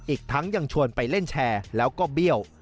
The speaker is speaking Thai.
อีกทั้งยังชวนไปเล่นแชร์แล้วก็เบี้ยว